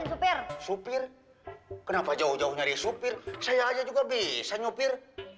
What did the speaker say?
supir supir kenapa jauh jauh nyari supir saya genau bisa nyopir kamu reset